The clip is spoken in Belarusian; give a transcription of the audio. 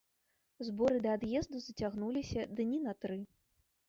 Зборы да ад'езду зацягнуліся дні на тры.